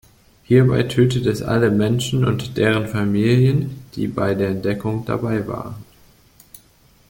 Hierbei tötet es alle Menschen und deren Familien, die bei der Entdeckung dabei waren.